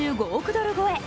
ドル超え。